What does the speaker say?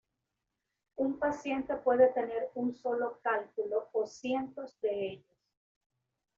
Un paciente puede tener un solo cálculo o cientos de ellos.